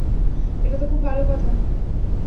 এটা তো খুব ভালে কথা।